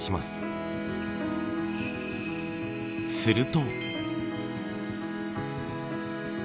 すると。